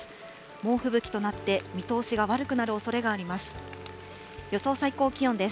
猛吹雪となって、見通しが悪くなるおそれがあります。